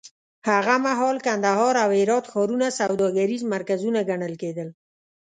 هغه مهال کندهار او هرات ښارونه سوداګریز مرکزونه ګڼل کېدل.